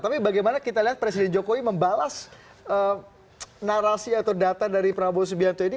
tapi bagaimana kita lihat presiden jokowi membalas narasi atau data dari prabowo subianto ini